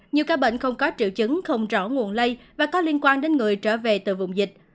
nhiều ca bệnh không có triệu chứng không rõ nguồn lây và có liên quan đến người trở về từ vùng dịch